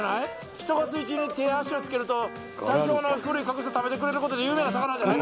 人が水中に手や足をつけると体表の古い角質を食べてくれることで有名な魚じゃない？